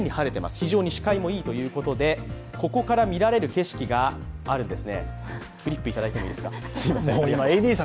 非常に視界もいいということでここから見られる景色があるんですね。